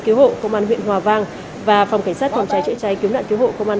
cứu hộ công an huyện hòa vang và phòng cảnh sát phòng cháy chữa cháy cứu nạn cứu hộ công an